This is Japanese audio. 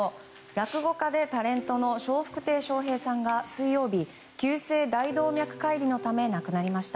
落語家でタレントの笑福亭笑瓶さんが水曜日、急性大動脈解離のため亡くなりました。